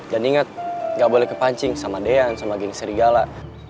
dan inget gak boleh kepancing sama deyan sama geng serigala